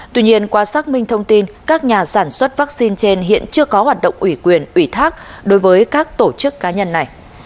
tuy nhiên qua xác minh thông tin các nhà sản xuất vaccine trên hiện chưa có hoạt động ủy quyền ủy thác đối với các tổ chức cá nhân này